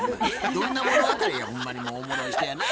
どんな物語やほんまにもうおもろい人やな。